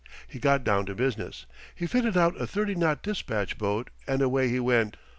He got down to business. He fitted out a 30 knot despatch boat and away he went!